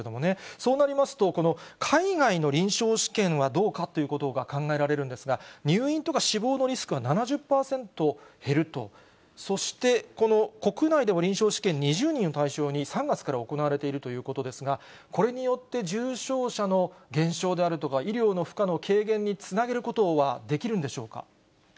そうなりますと、この海外の臨床試験はどうかということが考えられるんですが、入院とか死亡のリスクは７０％減ると、そして、この国内での臨床試験、２０人を対象に、３月から行われているということですが、これによって、重症者の減少であるとか、医療の負荷の軽減につなげることはできるんでしょうか。